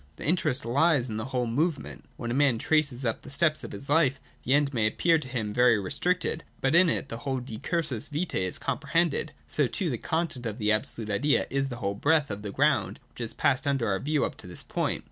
The interest lies in the whole move ment. When a man traces up the steps of his Ufe, the end may appear to him very restricted : but in it the whole decursus vitae is comprehended. So, too, the content of the absolute idea is the whole breadth of ground which has passed under our view up to this point.